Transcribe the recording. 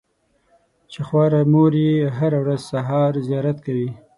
چې خواره مور یې هره سهار زیارت کوي.